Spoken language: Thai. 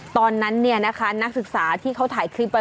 ตอนนั้นเนี่ยนะคะนักศึกษาที่เขาถ่ายคลิปไว้